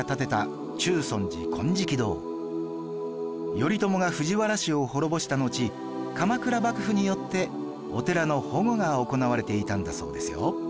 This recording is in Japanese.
頼朝が藤原氏を滅ぼしたのち鎌倉幕府によってお寺の保護が行われていたんだそうですよ